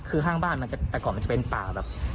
คือข้างบ้านมันจะแต่ก่อนมันจะเป็นป่าแบบ